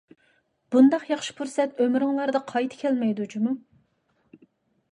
بۇنداق ياخشى پۇرسەت ئۆمرۈڭلاردا قايتا كەلمەيدۇ جۇمۇ!